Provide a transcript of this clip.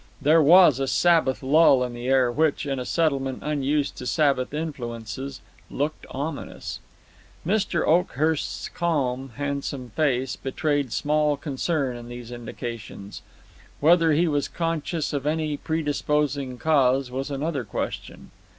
There was a Sabbath lull in the air which, in a settlement unused to Sabbath influences, looked ominous. Mr. Oakhurst's calm, handsome face betrayed small concern in these indications. Whether he was conscious of any predisposing cause was another question.